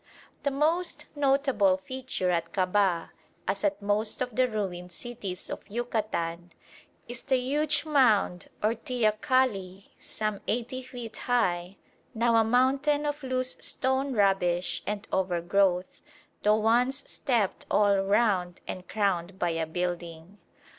The most notable feature at Kabah, as at most of the ruined cities of Yucatan, is the huge mound or teocalli some 80 feet high, now a mountain of loose stone rubbish and overgrowth, though once stepped all round and crowned by a building.